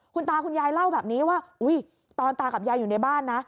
คุณตาคุณยายเล่าแบบนี้ว่าตอนตากับยายอยู่ในบ้านนะ